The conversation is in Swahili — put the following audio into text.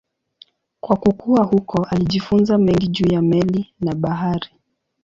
Kwa kukua huko alijifunza mengi juu ya meli na bahari.